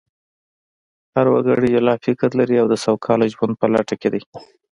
هر وګړی جلا فکر لري او د سوکاله ژوند په لټه کې دی